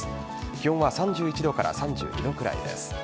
気温は３１度から３２度くらいです。